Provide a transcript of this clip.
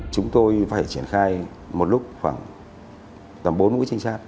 chúng tôi phải triển khai một lúc khoảng tầm bốn mũi trinh sát